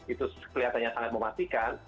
itu kelihatannya sangat mematikan